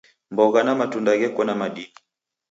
Mbogha na matunda gheko na madini.